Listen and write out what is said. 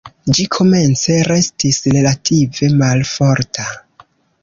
Ĝi komence restis relative malforta.